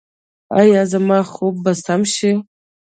ایا زما خوب به سم شي؟